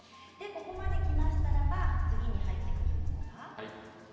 ここまできましたら次に入ってくるのが。